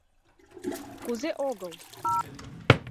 Кузе огыл!